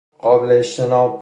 قابل اجتناب